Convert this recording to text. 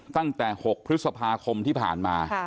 ตั้งแต่๖พฤษภาคมที่ผ่านมา